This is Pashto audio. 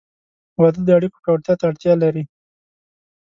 • واده د اړیکو پیاوړتیا ته اړتیا لري.